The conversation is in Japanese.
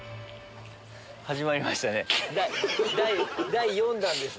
第４弾です。